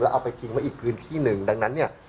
แล้วเอาไปทิ้งมาอีกพื้นที่นึงดังนั้นเนี่ย